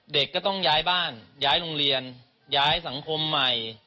เด็กก็ต้องย้ายบ้านย้ายโรงเรียนย้ายสังคมใหม่